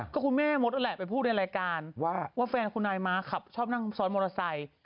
ก็คุณแม่มดนั่นแหละไปพูดในรายการว่าแฟนคุณนายม้าขับชอบนั่งซ้อนมอเตอร์ไซค์